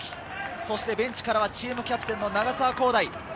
そしてベンチからはチームキャプテンの永澤昂大。